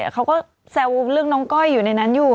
เขาก็แซวเรื่องน้องก้อยอยู่ในนั้นอยู่